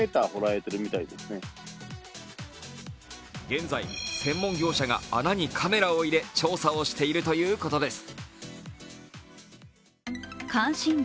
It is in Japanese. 現在専門業者が穴にカメラを入れ調査をしているということです。